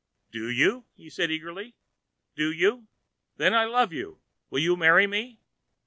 "Do you?" said he eagerly. "Do you? Then I love you. Will you marry me?"